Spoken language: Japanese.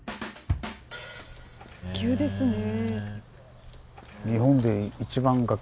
急ですね。